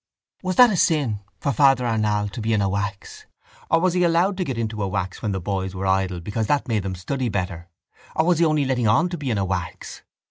Was that a sin for Father Arnall to be in a wax or was he allowed to get into a wax when the boys were idle because that made them study better or was he only letting on to be in a wax?